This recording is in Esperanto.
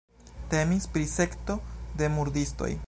Temis pri sekto de murdistoj.